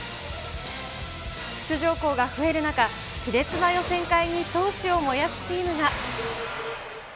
出場校が増える中、しれつな予選会に闘志を燃やすチームが。